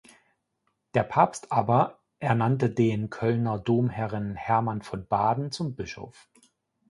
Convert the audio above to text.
Der Papst aber ernannte den Kölner Domherren Hermann von Baden zum Bischof.